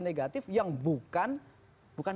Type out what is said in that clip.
negatif yang bukan